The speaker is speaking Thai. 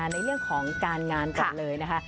ในเรื่องของการงานก่อนเลยนะคะ